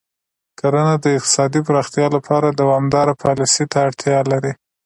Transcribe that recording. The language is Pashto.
کرنه د اقتصادي پراختیا لپاره دوامداره پالیسۍ ته اړتیا لري.